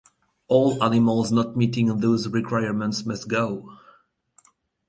All animals not meeting those requirements must go.